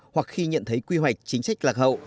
hoặc khi nhận thấy quy hoạch chính sách lạc hậu